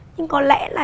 nhưng có lẽ là